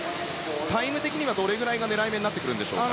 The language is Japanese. タイム的にはどれぐらいが狙い目になってくるでしょうか。